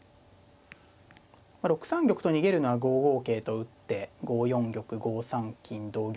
６三玉と逃げるのは５五桂と打って５四玉５三金同玉